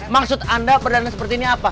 maksud anda perdana seperti ini apa